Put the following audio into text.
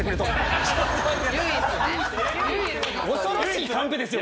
恐ろしいカンペですよ